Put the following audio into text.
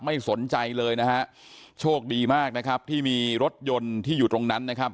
ไม่สนใจเลยนะฮะโชคดีมากนะครับที่มีรถยนต์ที่อยู่ตรงนั้นนะครับ